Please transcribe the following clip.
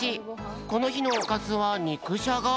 このひのおかずはにくじゃが。